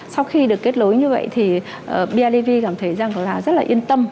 sau khi được kết nối như vậy bidv cảm thấy rất yên tâm